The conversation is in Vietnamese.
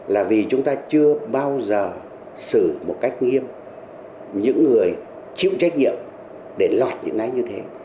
là vì chúng ta chưa bao giờ xử một cách nghiêm những người chịu trách nhiệm để lọt những cái như thế